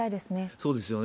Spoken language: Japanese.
そうですよね。